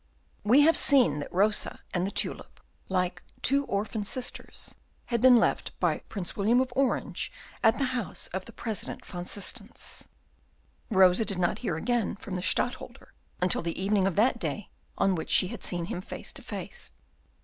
We have seen that Rosa and the tulip, like two orphan sisters, had been left by Prince William of Orange at the house of the President van Systens. Rosa did not hear again from the Stadtholder until the evening of that day on which she had seen him face to face.